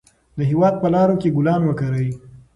د هېواد په لارو کې ګلان وکرئ.